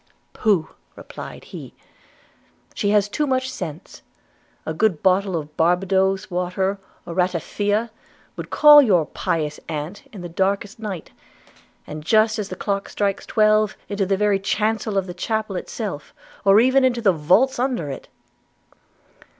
'Pooh!' replied he, 'she has too much sense. A good bottle of Barbadoes water, or ratafia, would call your pious aunt in the darkest night, and just as the clock strikes twelve, into the very chancel of the chapel itself, or even into the vaults under it.'